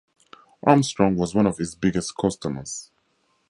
Armstrong was one of his biggest customers.